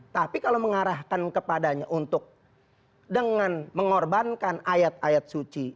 tapi kalau mengarahkan kepadanya untuk dengan mengorbankan ayat ayat suci